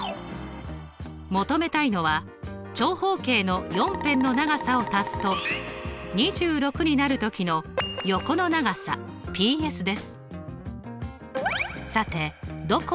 求めたいのは長方形の４辺の長さを足すと２６になるときの横の長さＰＳです。